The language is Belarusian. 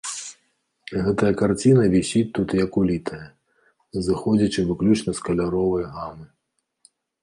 Гэтая карціна вісіць тут як улітая, зыходзячы выключна з каляровай гамы.